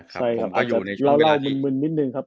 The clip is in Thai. ใช่ครับเล่ามึนนิดนึงครับ